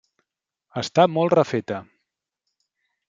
Està molt refeta.